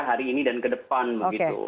hari ini dan ke depan begitu